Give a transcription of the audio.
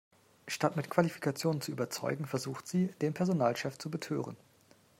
Statt mit Qualifikation zu überzeugen, versucht sie, den Personalchef zu betören.